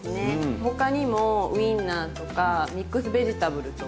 他にもウインナーとかミックスベジタブルとか。